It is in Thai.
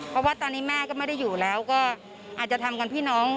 เพราะว่าตอนนี้แม่ก็ไม่ได้อยู่แล้วก็อาจจะทำกันพี่น้อง